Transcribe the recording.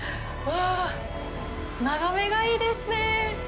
眺めがいいですね。